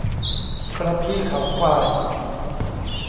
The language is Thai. กระพี้เขาควาย